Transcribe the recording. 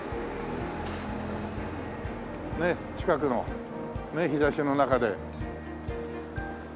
ねっ近くの日差しの中で。